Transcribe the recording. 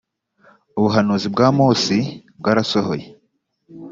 ubuhanuzi bwa mosi bwarasohoye.